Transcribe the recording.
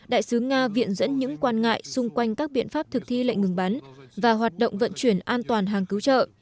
đại sứ nga viện dẫn những quan ngại xung quanh các biện pháp thực thi lệnh ngừng bắn và hoạt động vận chuyển an toàn hàng cứu trợ